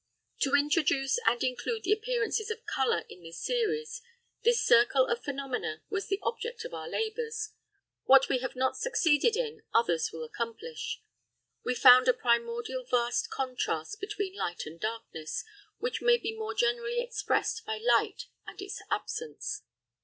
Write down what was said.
To introduce and include the appearances of colour in this series, this circle of phenomena was the object of our labours. What we have not succeeded in others will accomplish. We found a primordial vast contrast between light and darkness, which may be more generally expressed by light and its absence.